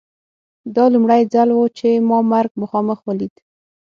دا لومړی ځل و چې ما مرګ مخامخ ولید